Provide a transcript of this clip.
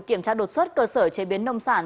kiểm tra đột xuất cơ sở chế biến nông sản